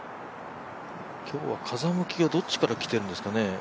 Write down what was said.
今日は風向きがどっちから来ているんですかね。